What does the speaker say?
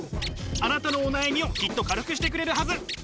あなたのお悩みをきっと軽くしてくれるはず。